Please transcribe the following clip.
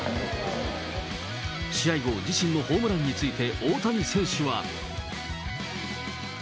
試合後、自身のホームランについて大谷選手は。